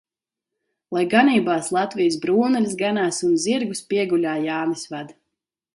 Lai ganībās Latvijas brūnaļas ganās un zirgus pieguļā Jānis ved.